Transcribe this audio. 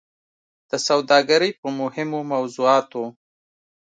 د سوداګرۍ په مهمو موضوعاتو